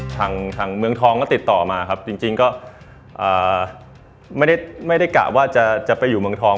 ทางเมืองทองก็ติดต่อมาครับจริงก็ไม่ได้กะว่าจะไปอยู่เมืองทอง